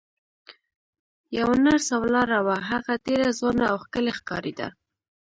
یوه نرسه ولاړه وه، هغه ډېره ځوانه او ښکلې ښکارېده.